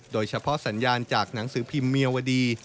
โดยเฉพาะสัญญาณจากหนังสือพิมพ์เมียวดี